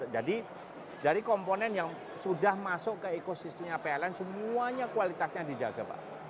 jadi dari komponen yang sudah masuk ke ekosisinya pln semuanya kualitasnya dijaga pak